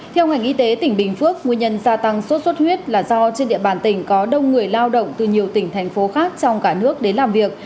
theo ngành y tế tỉnh bình phước nguyên nhân gia tăng sốt xuất huyết là do trên địa bàn tỉnh có đông người lao động từ nhiều tỉnh thành phố khác trong cả nước đến làm việc